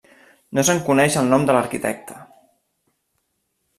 No se'n coneix el nom de l'arquitecte.